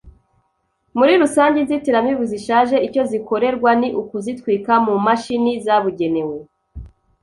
Muri rusange inzitiramibu zishaje icyo zikorerwa ni ukuzitwika mu mashini zabugenewe